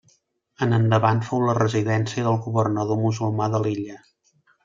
En endavant fou la residència del governador musulmà de l'illa.